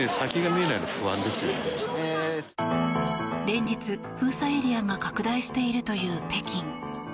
連日、封鎖エリアが拡大しているという北京。